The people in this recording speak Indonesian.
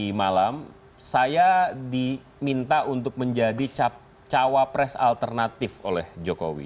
tadi malam saya diminta untuk menjadi cawapres alternatif oleh jokowi